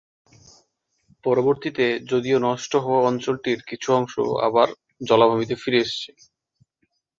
পরবর্তীতে যদিও নষ্ট হওয়া অঞ্চলটির কিছু অংশ আবার জলাভূমিতে ফিরে এসেছে।